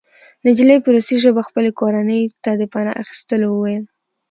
نجلۍ په روسي ژبه خپلې کورنۍ ته د پناه اخیستلو وویل